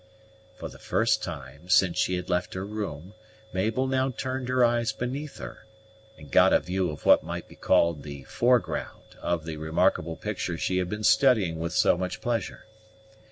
For the first time since she had left her room, Mabel now turned her eyes beneath her, and got a view of what might be called the foreground of the remarkable picture she had been studying with so much pleasure.